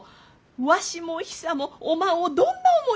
わしもヒサをおまんをどんな思いで！